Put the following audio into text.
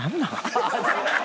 ハハハハ！